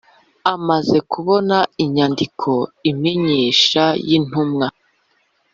Amaze kubona inyandiko imenyesha y intumwa